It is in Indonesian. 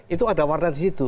itu ada warna di situ